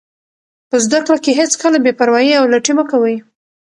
په زده کړه کې هېڅکله بې پروایي او لټي مه کوئ.